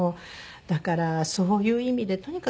だからそういう意味でとにかく話し続けたい。